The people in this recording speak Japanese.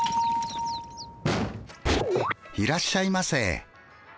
いらっしゃいませ。